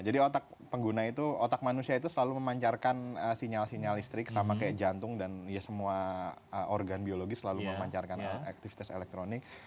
jadi otak pengguna itu otak manusia itu selalu memancarkan sinyal sinyal listrik sama kayak jantung dan semua organ biologi selalu memancarkan aktivitas elektronik